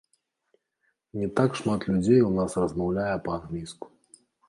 Не так шмат людзей у нас размаўляе па-англійску.